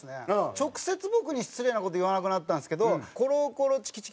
直接僕に失礼な事言わなくなったんですけどコロコロチキチキ